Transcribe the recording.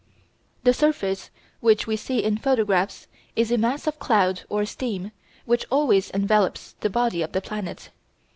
The surface which we see in photographs (Fig. 12) is a mass of cloud or steam which always envelops the body of the planet.